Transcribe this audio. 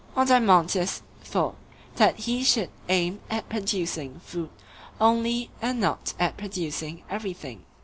Adeimantus thought that he should aim at producing food only and not at producing everything.